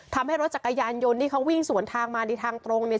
ทำให้รถจักรยานยนต์ที่เขาวิ่งสวนทางมาในทางตรงเนี่ย